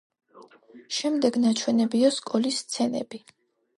შემდეგ ნაჩვენებია სკოლის სცენები.